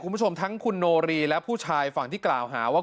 คุณผู้ชมทั้งคุณโนรีและผู้ชายฝั่งที่กล่าวหาว่า